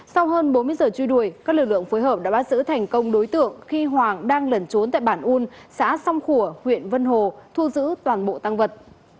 sau hơn bốn mươi giờ truy đuổi các lực lượng phối hợp đã bắt giữ thành công đối tượng khi hoàng đang lẩn trốn tại bản un xã song khủa huyện vân hồ thu giữ toàn bộ tăng vật